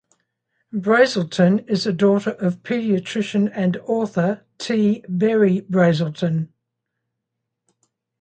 Brazelton is the daughter of pediatrician and author T. Berry Brazelton.